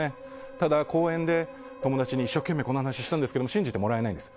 ただ、公園で友達に一生懸命この話をしたんですが信じてもらえないんです。